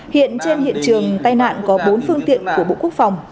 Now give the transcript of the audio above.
hiện trên hiện trường tai nạn có bốn phương tiện của bộ quốc phòng